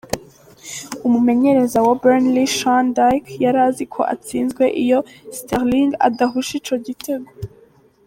Umumenyereza wa Burnley, Sean Dyche yari azi ko atsinzwe iyo Sterling atahusha ico gitego.